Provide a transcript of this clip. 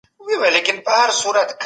سالم ذهن بریالیتوب نه خرابوي.